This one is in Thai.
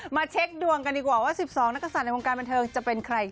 เช็คดวงกันดีกว่าว่า๑๒นักศัตว์ในวงการบันเทิงจะเป็นใคร